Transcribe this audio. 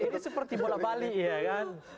ini seperti bola bali ya kan